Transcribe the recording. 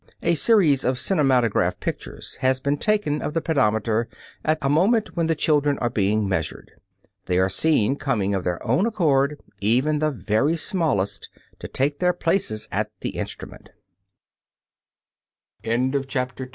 A series of cinematograph pictures has been taken of the pedometer at a moment when the children are being measured. They are seen coming of their own accord, even the very smallest, to take th